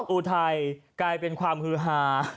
อุทัยกลายเป็นความฮือฮา